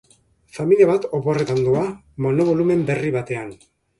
Familia bat oporretan doa monobolumen berri batean.